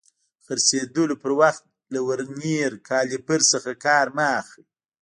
د څرخېدلو پر وخت له ورنیر کالیپر څخه کار مه اخلئ.